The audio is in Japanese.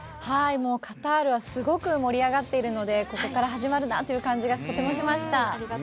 カタールはすごく盛り上がっているのでここから始まるなという感じがとてもしました。